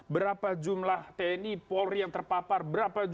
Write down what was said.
berapa jumlah tni polri yang terpapar berapa